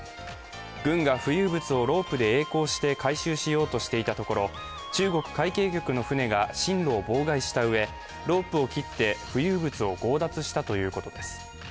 軍が浮遊物をロープでえい航して回収しようとしていたところ中国海警局の船が進路を妨害したうえ、ロープを切って浮遊物を強奪したということです。